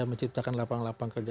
menciptakan lapangan lapan kerja